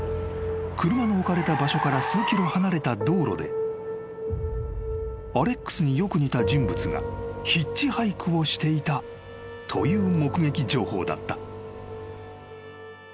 ［車の置かれた場所から数ｋｍ離れた道路でアレックスによく似た人物がヒッチハイクをしていたという目撃情報だった］